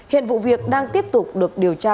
hiện vụ việc đang tiếp tục được điều tra làm rõ